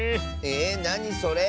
えなにそれ。